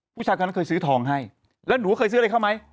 ผู้ชายคนนั้นเคยซื้อทองให้แล้วหนูเคยซื้ออะไรเข้าไหม